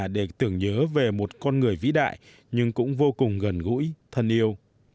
để tưởng nhớ về một con người vĩ đại nhưng cũng vô cùng gần gũi thân yêu